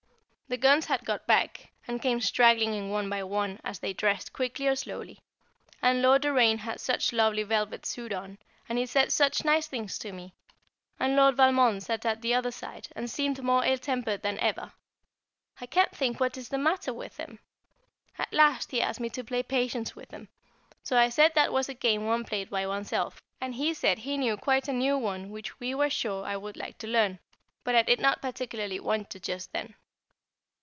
The guns had got back, and came straggling in one by one, as they dressed, quickly or slowly; and Lord Doraine had such a lovely velvet suit on, and he said such nice things to me; and Lord Valmond sat at the other side, and seemed more ill tempered than ever. I can't think what is the matter with him. At last he asked me to play Patience with him; so I said that was a game one played by oneself, and he said he knew quite a new one which he was sure I would like to learn; but I did not particularly want to just then.